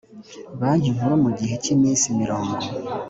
banki nkuru mu gihe cy iminsi mirongo